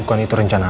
bukan itu rencana aku